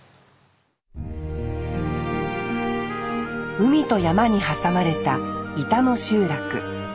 海と山に挟まれた井田の集落。